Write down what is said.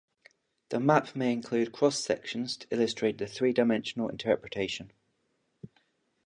The map may include cross sections to illustrate the three-dimensional interpretation.